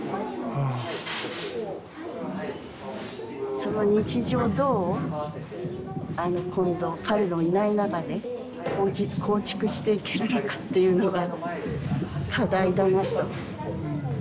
その日常をどうあの今度彼のいない中で構築していけるのかっていうのが課題だなと。